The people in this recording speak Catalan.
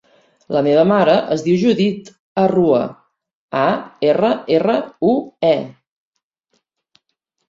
La meva mare es diu Judit Arrue: a, erra, erra, u, e.